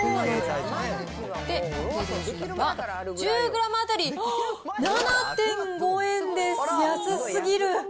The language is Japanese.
１０グラム当たり７．５円です、安すぎる。